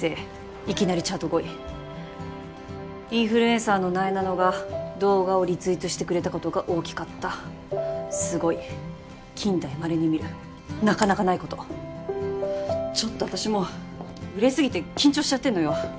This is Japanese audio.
いきなりチャート５位インフルエンサーのなえなのが動画をリツイートしてくれたことが大きかったすごい近代まれに見るなかなかないことちょっと私もう売れすぎて緊張しちゃってんのよ